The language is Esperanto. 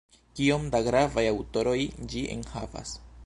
Kiom da gravaj aŭtoroj ĝi enhavas!